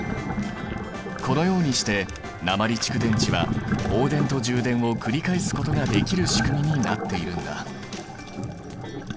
このようにして鉛蓄電池は放電と充電を繰り返すことができるしくみになっているんだ。